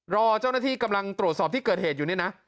รอเจ้าหน้าที่กำลังตรวจสอบที่เกิดเหตุอยู่นี่นะ